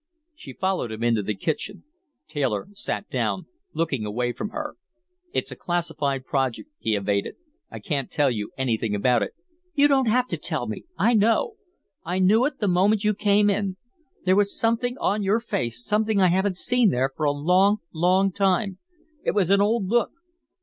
She followed him into the kitchen. Taylor sat down, looking away from her. "It's a classified project," he evaded. "I can't tell you anything about it." "You don't have to tell me. I know. I knew it the moment you came in. There was something on your face, something I haven't seen there for a long, long time. It was an old look."